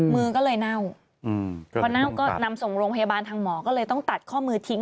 มือก็เลยเน่าพอเน่าก็นำส่งโรงพยาบาลทางหมอก็เลยต้องตัดข้อมือทิ้ง